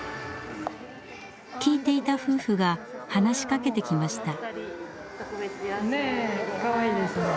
聴いていた夫婦が話しかけてきました。